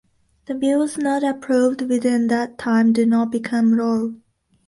The bills not approved within that time do not become law.